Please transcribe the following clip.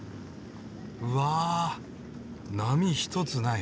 うわ波一つない。